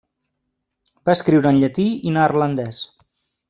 Va escriure en llatí i neerlandès.